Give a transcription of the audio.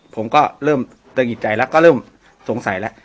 ผมก็เริ่มตะหงิดใจแล้วก็เริ่มสงสัยแล้ว